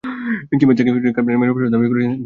কিংবা যাকে কার্নিভ্যালে মেরে ফেলার দাবি করেছেন, তার কথা।